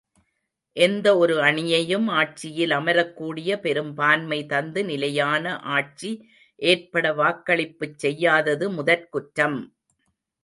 எந்த ஒரு அணியையும் ஆட்சியில் அமரக்கூடிய பெரும்பான்மை தந்து நிலையான ஆட்சி ஏற்பட வாக்களிப்புச் செய்யாதது முதற் குற்றம்!